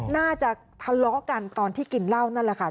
น่าจะทะเลาะกันตอนที่กินเหล้านั่นแหละค่ะ